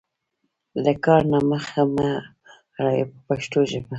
له کار نه مخ مه اړوئ په پښتو ژبه.